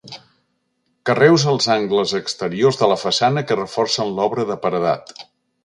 Carreus als angles exteriors de la façana que reforcen l'obra de paredat.